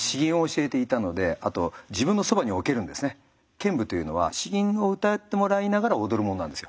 剣舞というのは詩吟をうたってもらいながら踊るもんなんですよ。